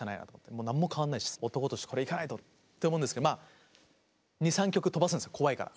もう何も変わらないし男としてこれは行かないとって思うんですけどまあ２３曲飛ばすんですよ怖いから。